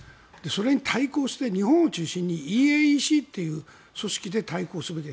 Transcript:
それに対抗して日本を中心にＥＡＥＣというもので対抗する。